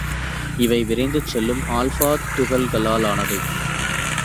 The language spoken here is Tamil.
இவை விரைந்து செல்லும் ஆல்பா துகள்களாலானவை.